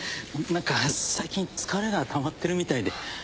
何か最近疲れがたまってるみたいで。